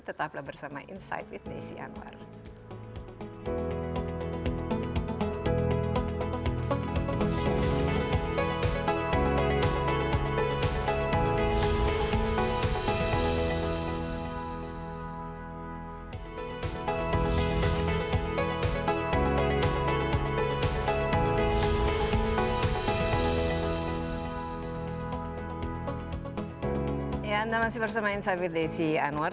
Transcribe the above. tetaplah bersama insight with desi anwar